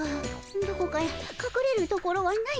どこかかくれるところはないかの。